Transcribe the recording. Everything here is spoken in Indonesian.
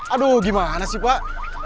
aduh gimana sih pak